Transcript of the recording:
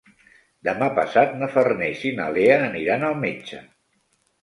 Demà passat na Farners i na Lea aniran al metge.